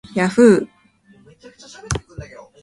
yahhoo